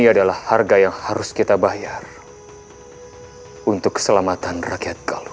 ini adalah harga yang harus kita bayar untuk keselamatan rakyat